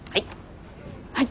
はい。